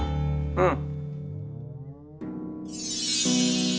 うん。